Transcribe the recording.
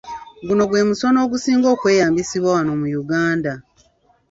Guno gwe musono ogusinga okweyambisibwa wano mu Uganda.